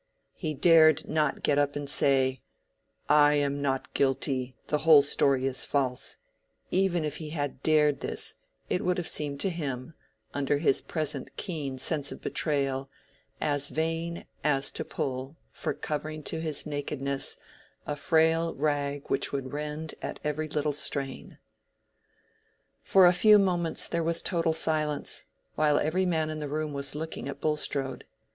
He dared not get up and say, "I am not guilty, the whole story is false"—even if he had dared this, it would have seemed to him, under his present keen sense of betrayal, as vain as to pull, for covering to his nakedness, a frail rag which would rend at every little strain. For a few moments there was total silence, while every man in the room was looking at Bulstrode.